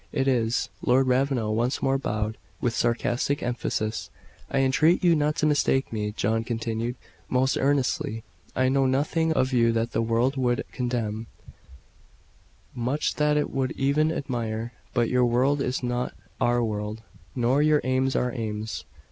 "It is." Lord Ravenel once more bowed, with sarcastic emphasis. "I entreat you not to mistake me," John continued, most earnestly. "I know nothing of you that the world would condemn, much that it would even admire; but your world is not our world, nor your aims our aims.